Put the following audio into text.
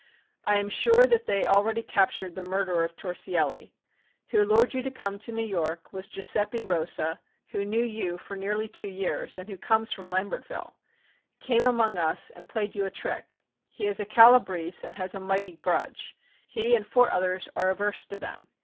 I am sure that they already captured the murderer of Torsielli. Who lured you to come to New York was Giuseppi Rosa, who knew you for nearly two years, and who comes from Lambertville, came among us and played you a trick. He is a Calabrise and has a mighty grudge. He and four others are averse to them.